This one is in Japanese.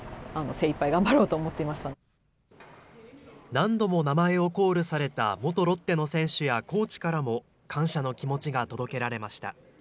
何度も名前をコールされた元ロッテの選手やコーチからも感謝の気持ちが届けられました。